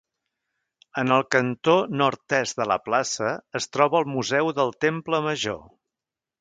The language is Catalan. En el cantó nord-est de la plaça, es troba el Museu del Temple Major.